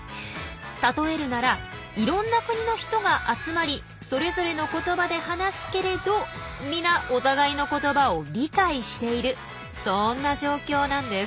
例えるならいろんな国の人が集まりそれぞれの言葉で話すけれど皆お互いの言葉を理解しているそんな状況なんです。